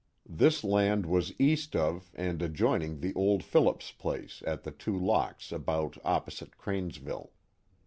This land was east of and ad joining the old Phillips place at the two locks about opposite Cranesville.